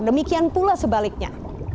demikian pula sebaliknya